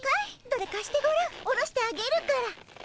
どれかしてごらん下ろしてあげるから。